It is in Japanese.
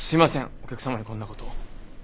お客様にこんなこと。